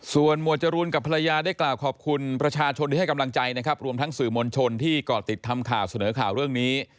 ส่วนหมวดจรูนกับภรรยาได้กล่าวขอบคุณประชาชนที่ให้กำลังใจนะครับรวมทั้งสื่อมวลชนที่เกาะติดทำข่าวเสนอข่าวเรื่องนี้